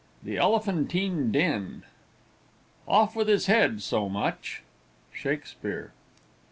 THE ELEPHANTINE DEN. Off with his head so much. SHAKSPEARE.